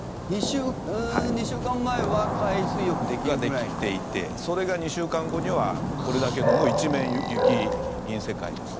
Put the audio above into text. ２週間前は海水浴ができるくらいの？が、できていてそれが２週間後にはこれだけの一面雪銀世界ですね。